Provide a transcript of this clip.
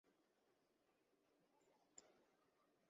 আচ্ছা আমাদের যেতে হবে রে।